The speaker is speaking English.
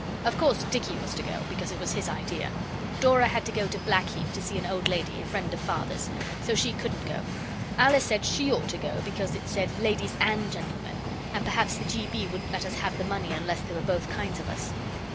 Of course Dicky was to go, because it was his idea. Dora had to go to Blackheath to see an old lady, a friend of Father's, so she couldn't go. Alice said she ought to go, because it said, 'Ladies and gentlemen,' and perhaps the G. B. wouldn't let us have the money unless there were both kinds of us.